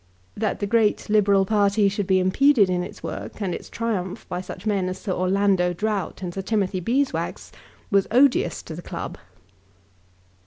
That the great Liberal party should be impeded in its work and its triumph by such men as Sir Orlando Drought and Sir Timothy Beeswax was odious to the club.